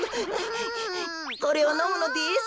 これをのむのです。